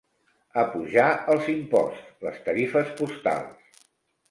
Apujar els imposts, les tarifes postals.